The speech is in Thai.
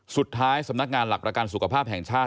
สำนักงานหลักประกันสุขภาพแห่งชาติ